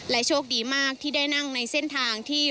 โชคดีมากที่ได้นั่งในเส้นทางที่